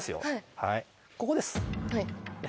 はいここです。